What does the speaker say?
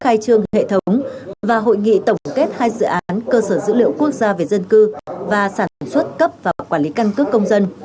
khai trương hệ thống và hội nghị tổng kết hai dự án cơ sở dữ liệu quốc gia về dân cư và sản xuất cấp và quản lý căn cước công dân